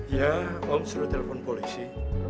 iya om sudah telpon polisi